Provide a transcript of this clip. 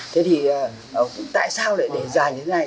thế thì tại sao để dài như thế này